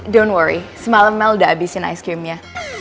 don't worry semalam mel udah abisin es krimnya